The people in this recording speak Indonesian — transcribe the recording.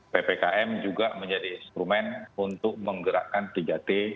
ppkm juga menjadi instrumen untuk menggerakkan tiga t